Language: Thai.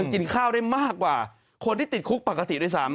กินข้าวได้มากกว่าคนที่ติดคุกปกติด้วยซ้ำ